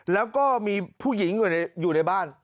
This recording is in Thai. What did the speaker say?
แล้วก็มีผู้หญิงอยู่ในบ้าน